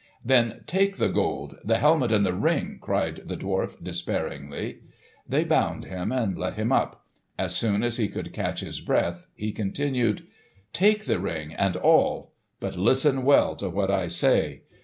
"Then take the Gold, the helmet and the Ring!" cried the dwarf despairingly. They bound him, and let him up. As soon as he could catch his breath, he continued, "Take the Ring and all! But listen well to what I say.